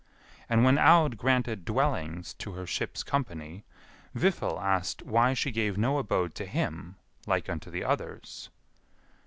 And when Aud granted dwellings to her ship's company, Vifil asked why she gave no abode to him like unto the others.